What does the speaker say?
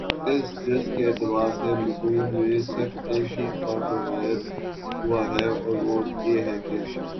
اس جز کے اعتبار سے متون میں صرف ایک ہی فرق روایت ہوا ہے اور وہ یہ ہے کہ